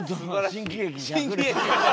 新喜劇。